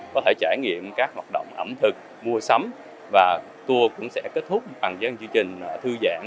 có thể trải nghiệm các hoạt động ẩm thực mua sắm và tour cũng sẽ kết thúc bằng với chương trình thư giãn